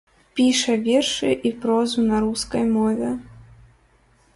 Піша вершы і прозу на рускай мове.